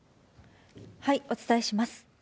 お伝えします。